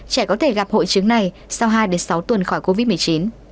trẻ có thể gặp hội chứng này sau hai sáu tuần khỏi covid một mươi chín